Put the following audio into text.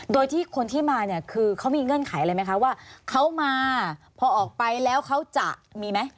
โดยที่คนที่มาเนี่ยคือเขามีเงื่อนไขอะไรไหมคะว่าเขามาพอออกไปแล้วเขาจะมีไหม